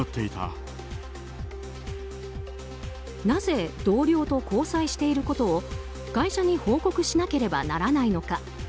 なぜ同僚と交際していることを会社に報告しなければならないのか。